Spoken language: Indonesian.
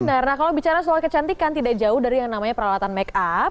benar nah kalau bicara soal kecantikan tidak jauh dari yang namanya peralatan make up